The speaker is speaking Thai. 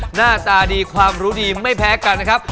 หน้าตาดีความรู้ดีไม่แพ้กันนะครับ